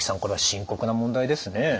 これは深刻な問題ですね。